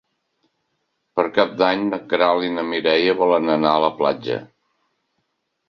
Per Cap d'Any na Queralt i na Mireia volen anar a la platja.